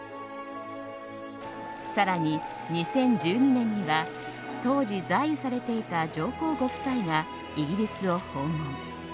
更に２０１２年には当時在位されていた上皇ご夫妻がイギリスを訪問。